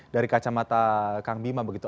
dari kacamata kang bima begitu